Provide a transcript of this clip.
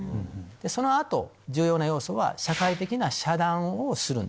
その後重要な要素は社会的な遮断をするんです。